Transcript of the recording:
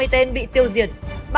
ba mươi tên bị tiêu diệt